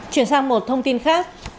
chuyển sang một thông tin khác